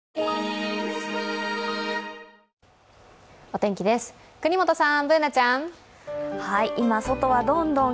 お天気です、國本さん、Ｂｏｏｎａちゃん。